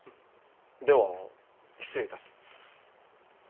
では失礼いたす。